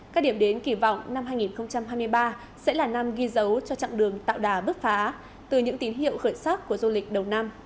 các điểm đến kỳ vọng năm hai nghìn hai mươi ba sẽ là năm ghi dấu cho chặng đường tạo đà bứt phá từ những tín hiệu khởi sắc của du lịch đầu năm